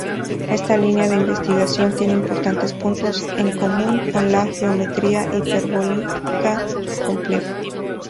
Esta línea de investigación tiene importantes puntos en común con la geometría hiperbólica compleja.